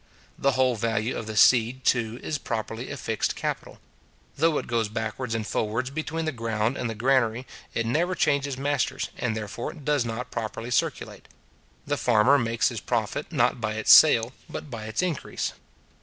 The whole value of the seed, too, is properly a fixed capital. Though it goes backwards and forwards between the ground and the granary, it never changes masters, and therefore does not properly circulate. The farmer makes his profit, not by its sale, but by its increase.